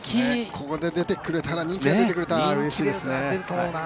ここで人気が出てくれたらうれしいですね。